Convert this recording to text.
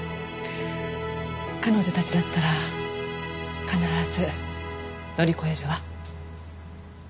彼女たちだったら必ず乗り越えるわ。